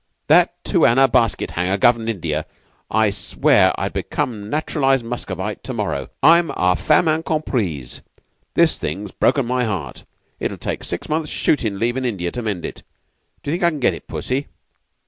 "'That two anna basket hanger governed India, I swear I'd become a naturalized Muscovite to morrow. I'm a femme incomprise. This thing's broken my heart. It'll take six months' shootin' leave in India to mend it. Do you think I can get it, Pussy?